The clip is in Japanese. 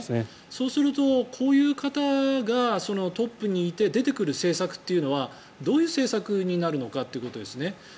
そうすると、こういう方がトップにいて出てくる政策というのはどういう政策になるのかということですね。